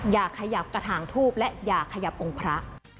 อย่าขยับกระถางทูบและอย่าขยับองค์พระ